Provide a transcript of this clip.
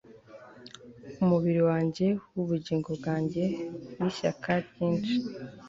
umubiri wanjye, wubugingo bwanjye nishyaka ryinshi